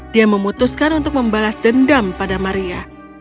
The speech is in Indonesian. dia memutuskan untuk membalas dendam pada maria